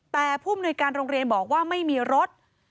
แต่ผู้มนุยการโรงเรียนบอกว่าไม่มีรถ